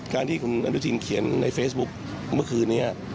การที่คุณอนุทินเขียนในเฟซบุ๊คเมื่อคืนนี้